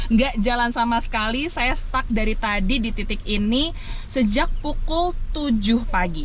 nggak jalan sama sekali saya stuck dari tadi di titik ini sejak pukul tujuh pagi